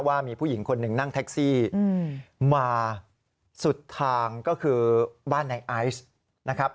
ว่ามีผู้หญิงคนหนึ่งนั่งแท็กซี่มาสุดทางก็คือบ้านในไอซ์นะครับ